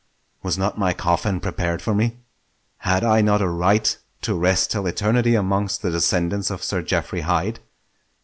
Was not my coffin prepared for me? Had I not a right to rest till eternity amongst the descendants of Sir Geoffrey Hyde?